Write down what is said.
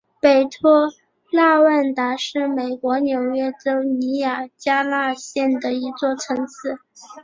北托纳万达是美国纽约州尼亚加拉县的一座城市。